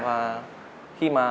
và khi mà